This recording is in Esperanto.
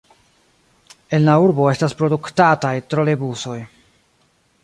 En la urbo estas produktataj trolebusoj.